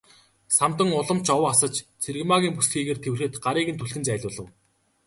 Самдан улам ч ов асаж Цэрэгмаагийн бүсэлхийгээр тэврэхэд гарыг нь түлхэн зайлуулав.